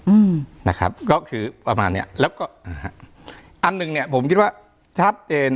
อืมนะครับก็คือประมาณเนี้ยแล้วก็อ่าฮะอันหนึ่งเนี้ยผมคิดว่าชัดเจน